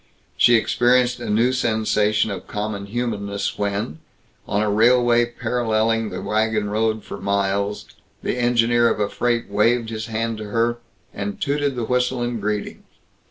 She experienced a new sensation of common humanness when, on a railway paralleling the wagon road for miles, the engineer of a freight waved his hand to her, and tooted the whistle in greeting.